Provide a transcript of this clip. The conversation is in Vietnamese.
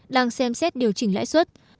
đang xem xét điều chỉnh lãi suất